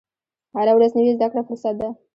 هره ورځ نوې زده کړه فرصت ده.